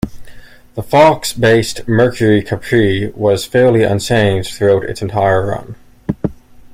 The Fox-based Mercury Capri was fairly unchanged throughout its entire run.